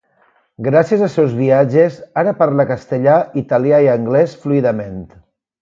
Gràcies als seus viatges, ara parla castellà, italià i anglès fluidament.